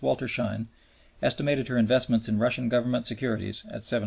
Waltershausen estimated her investments in Russian Government securities at $750,000,000.